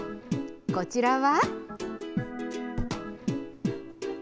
こちらは。